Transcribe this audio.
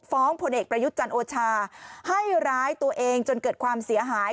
พลเอกประยุทธ์จันทร์โอชาให้ร้ายตัวเองจนเกิดความเสียหาย